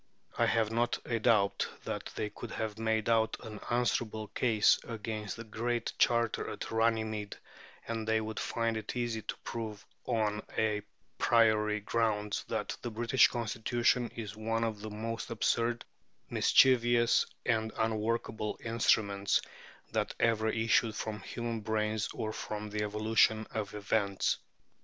I have not a doubt that they could have made out an unanswerable "case" against the Great Charter at Runnymede; and they would find it easy to prove on à priori grounds that the British Constitution is one of the most absurd, mischievous, and unworkable instruments that ever issued from human brains or from the evolution of events.